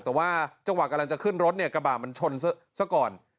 แต่เวลาเกิดขึ้นขณะว่ากระบาดก็ชนสก่อน